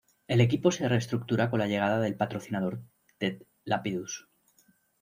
El equipo se reestructura con la llegada del patrocinador "Ted Lapidus".